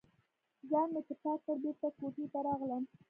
ځان مې چې پاک کړ، بېرته کوټې ته راغلم.